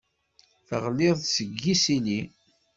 Teɣli-d seg yisili.